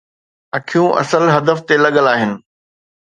اکيون اصل هدف تي لڳل آهن.